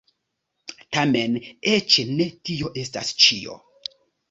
Tamen eĉ ne tio estas ĉio.